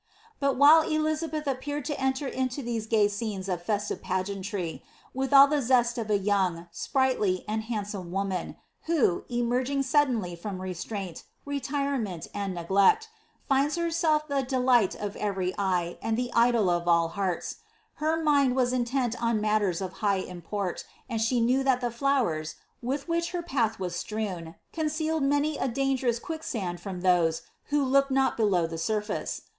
fiat while Elizttlieth appeared to cnier into these ^y scenes orfeFtive pageantry, with all the zest of a yuun^, Bpri^htly. and handsome woraan, who, emerging suddenly from reelruint, retirement, and ne^lert, find* beneir ilie delight of ev<?iy eye and llie idol of all hearts, her mind wu inient on matters of high import, and she knew that ihe flowers, with which her path was strewn, concealed many a dangerous quickanit from those who looked noi below the surfece.